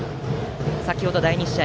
先程の第２試合